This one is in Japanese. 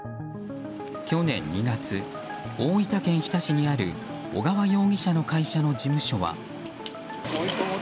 去年２月、大分県日田市にある小川容疑者の会社の事務所は。